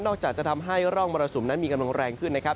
จะทำให้ร่องมรสุมนั้นมีกำลังแรงขึ้นนะครับ